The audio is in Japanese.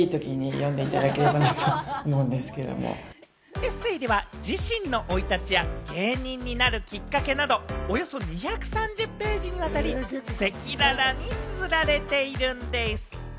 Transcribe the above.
エッセイでは自身の生い立ちや芸人になるきっかけなど、およそ２３０ページにわたり赤裸々につづられているんでぃす！